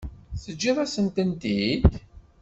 Teǧǧiḍ-asent-tent-id?